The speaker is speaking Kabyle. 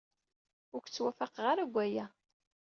Ur k-ttwafaqeɣ ara deg waya.